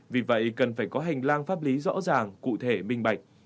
vì vậy cần phải có hành lang pháp lý rõ ràng cụ thể minh bạch